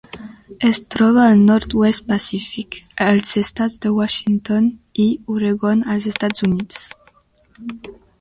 Es troba al nord-oest pacífic, als estats de Washington i Oregon als Estats Units.